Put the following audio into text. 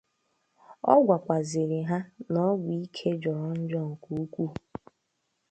Ọ gwakwazịrị ha na ọgwụ ike jọrọ njọ nke ukwuu